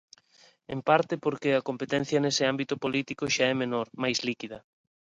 En parte porque a competencia nese ámbito político xa é menor, máis líquida.